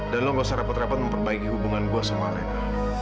dan lo nggak usah repot repot memperbaiki hubungan gue sama elena